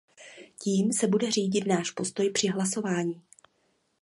Tím se bude řídit náš postoj při hlasování.